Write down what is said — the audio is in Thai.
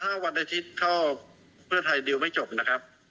ถ้าวันอาทิตย์เข้าเพื่อไทยดิวไม่จบนะครับ